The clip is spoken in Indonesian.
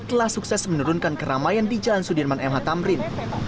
telah sukses menurunkan keramaian di jalan sudirman mh tamrin